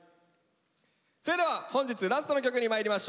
それでは本日ラストの曲にまいりましょう。